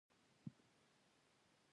• بادام د زړه د دردو وړتیا لپاره ګټور دي.